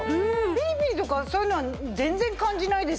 ピリピリとかそういうのは全然感じないですよね。